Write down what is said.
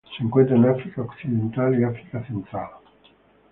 Se encuentra en África occidental y África central.